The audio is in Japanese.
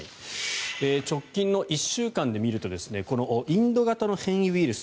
直近の１週間で見るとインド型の変異ウイルス